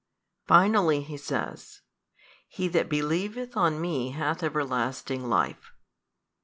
Finally He says, He that believeth on Me hath everlasting life.